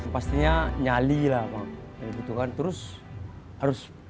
pastinya nyali lah apa yang dibutuhkan terus harus